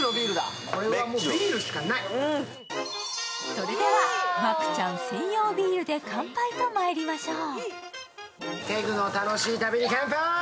それでは、マクチャン専用ビールで乾杯とまいりましょう。